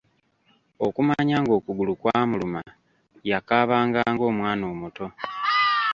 Okumanya ng'okugulu kwamuluma yakaabanga ng'omwana omuto.